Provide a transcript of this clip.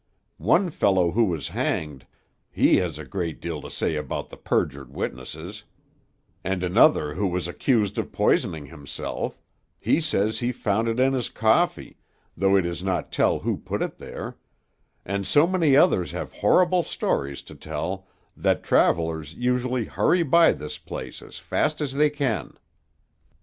One fellow who was hanged, he has a great deal to say about the perjured witnesses; and another who was accused of poisoning himself, he says he found it in his coffee, though he does not tell who put it there; and so many others have horrible stories to tell that travellers usually hurry by this place as fast as they can."